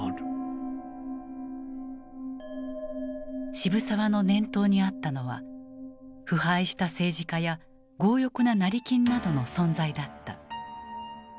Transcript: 渋沢の念頭にあったのは腐敗した政治家や強欲な成金などの存在だった。